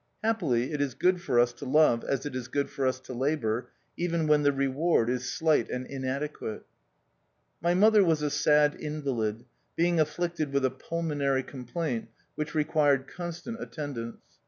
Happily it is good for us to love as it is good for us to labour, even when the reward is slight and inadequate. My mother was a sad invalid, being afflicted with a pulmonary complaint which required constant attendance.